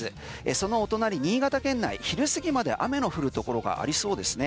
そのお隣、新潟県内昼過ぎまで雨の降るところがありそうですね。